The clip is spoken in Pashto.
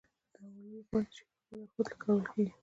د حوالو لپاره د شیکاګو لارښود کارول کیږي.